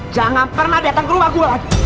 jangan pernah datang ke rumah gue lagi